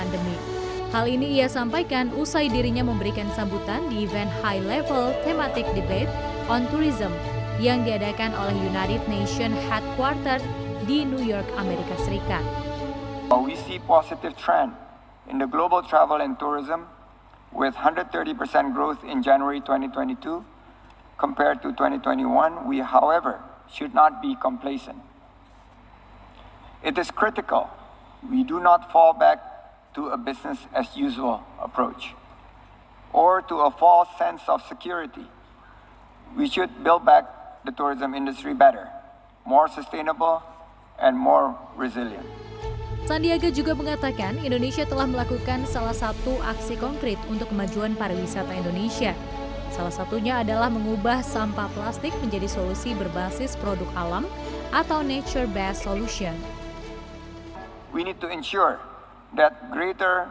dia sampaikan usai dirinya memberikan sambutan di event high level thematic debate on tourism yang diadakan oleh united nations headquarters di new york amerika serikat